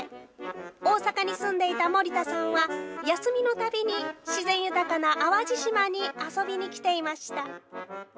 大阪に住んでいた森田さんは、休みのたびに自然豊かな淡路島に遊びに来ていました。